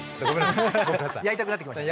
やりたくなってきましたね。